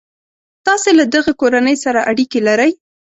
تاسي له دغه کورنۍ سره اړیکي لرئ.